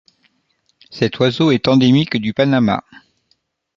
Cet oiseau est endémique du Panama.